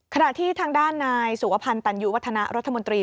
ขณะที่ทางด้านนายสุวพันธ์ตันยุวัฒนะรัฐมนตรี